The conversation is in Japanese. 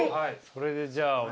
それでじゃあ。